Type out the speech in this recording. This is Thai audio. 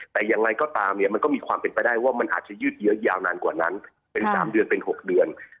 แต่ยังไงก็ตามเนี่ยมันก็มีความเป็นไปได้ว่ามันอาจจะยืดเยอะยาวนานกว่านั้นเป็น๓เดือนเป็น๖เดือน